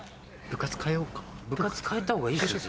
部活変えたほうがいいですよ。